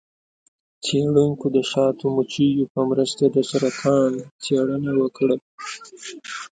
څیړونکو د شاتو مچیو په مرسته د سرطان څیړنه وکړه.